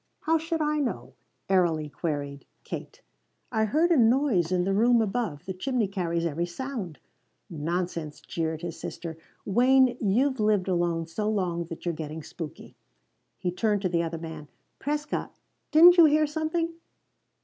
"How should I know?" airily queried Kate. "I heard a noise in the room above. This chimney carries every sound." "Nonsense," jeered his sister. "Wayne, you've lived alone so long that you're getting spooky." He turned to the other man. "Prescott, didn't you hear something?"